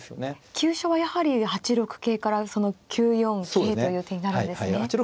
急所はやはり８六桂からその９四桂という手になるんですね。